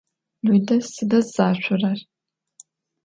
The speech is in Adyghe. Lüde sıda zaşsorer?